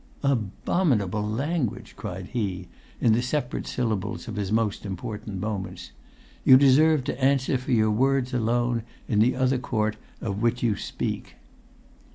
"A bom in able language!" cried he in the separate syllables of his most important moments. "You deserve to answer for your words alone in the other court of which you speak!"